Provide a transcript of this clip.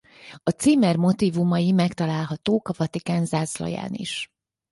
A címer motívumai megtalálhatók a Vatikán zászlaján is.